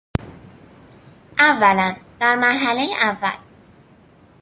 اولا، در مرحلهی اول